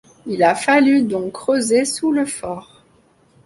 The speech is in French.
Il a fallu donc creuser sous le fort.